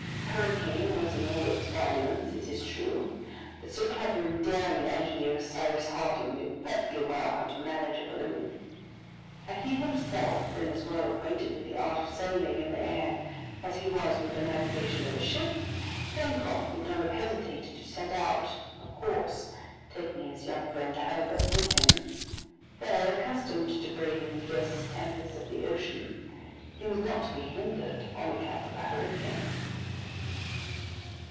The hurricane was in all its violence, it is true, but so clever and daring an engineer as Cyrus Harding knew perfectly well how to manage a balloon. Had he himself been as well acquainted with the art of sailing in the air as he was with the navigation of a ship, Pencroft would not have hesitated to set out, of course taking his young friend Herbert with him; for, accustomed to brave the fiercest tempests of the ocean, he was not to be hindered on account of the hurricane.